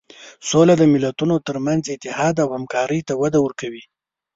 سوله د ملتونو تر منځ اتحاد او همکاري ته وده ورکوي.